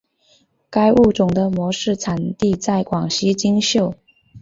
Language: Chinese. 该物种的模式产地在广西金秀。